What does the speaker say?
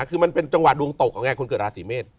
คือมันเป็นจังหวะดวงตกของไงคนเกิดราศีเมษ